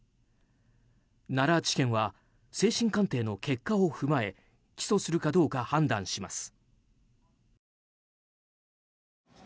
奈良地検は精神鑑定の結果を踏まえ起訴するかどうか判断します。